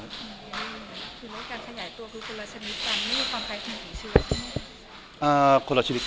คือโรคการขยายตัวคือโคลโลชนิดกัน